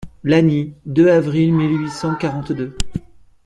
Lagny, deux avril mille huit cent quarante-deux.